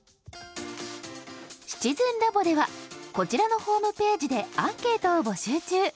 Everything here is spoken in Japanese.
「シチズンラボ」ではこちらのホームページでアンケートを募集中！